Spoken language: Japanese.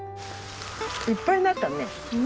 いっぱいなったね。